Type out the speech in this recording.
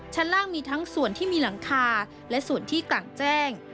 ชั้นล่างมีทั้งส่วนที่มีหลังคาและส่วนที่กลางแจ้ง